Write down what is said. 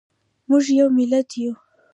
موږ یو ملت یو